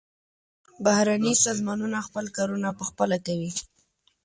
بهرني سازمانونه خپل کارونه پخپله کوي.